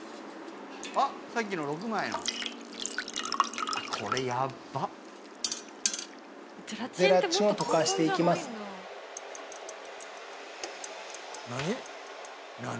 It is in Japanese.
あっさっきの６枚のこれやっばゼラチンを溶かしていきます何？